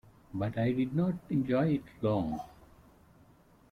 But I did not enjoy it long.